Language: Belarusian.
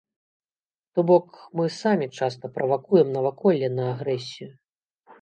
То бок, мы самі часта правакуем наваколле на агрэсію.